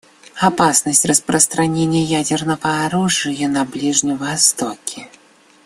Опасность распространения ядерного оружия на Ближнем Востоке.